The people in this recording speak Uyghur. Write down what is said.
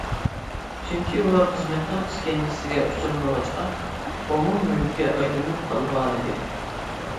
چۈنكى ئۇلار خىزمەتنىڭ ئىسكەنجىسىگە ئۇچرىمىغاچقا ئومۇم مۈلۈككە ئايلىنىپ قالغانىدى.